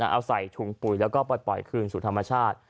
เอาใส่ถุงปุ๋ยแล้วก็ปล่อยคืนสู่ธรรมชาติ